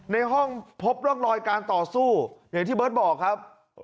ในห้องพบร่องรอยการต่อสู้อย่างที่เบิร์ตบอกครับ